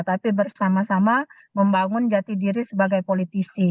tapi bersama sama membangun jati diri sebagai politisi